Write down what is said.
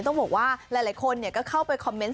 ต้องบอกว่าหลายคนก็เข้าไปคอมเมนต์